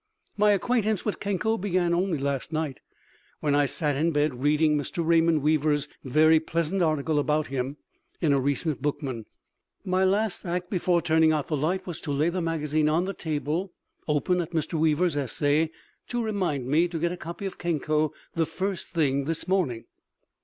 My acquaintance with Kenko began only last night, when I sat in bed reading Mr. Raymond Weaver's very pleasant article about him in a recent Bookman. My last act before turning out the light was to lay the magazine on the table, open at Mr. Weaver's essay, to remind me to get a copy of Kenko the first thing this morning.